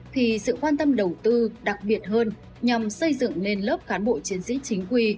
thì sự quan tâm đầu tư đặc biệt hơn nhằm xây dựng lên lớp cán bộ chiến sĩ chính quy